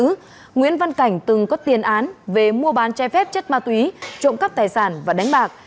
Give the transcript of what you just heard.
trước đó nguyễn văn cảnh từng có tiên án về mua bán che phép chất ma túy trộm cắp tài sản và đánh bạc